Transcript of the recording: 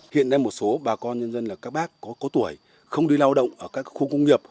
hiện nay một số bà con nhân dân là các bác có tuổi không đi lao động ở các khu công nghiệp